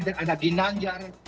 dan ada ginanjar